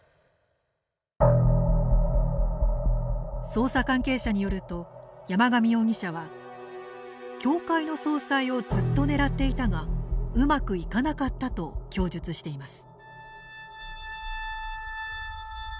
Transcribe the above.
捜査関係者によると山上容疑者は、教会の総裁をずっと狙っていたがうまくいかなかったと供述しています。